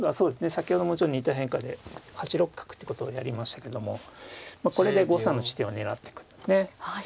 先ほども似た変化で８六角ということをやりましたけどもこれで５三の地点を狙っていくんですね。